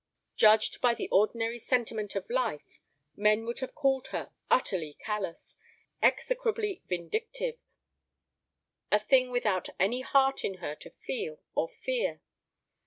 Judged by the ordinary sentiment of life, men would have called her utterly callous, execrably vindictive, a thing without any heart in her to feel or fear.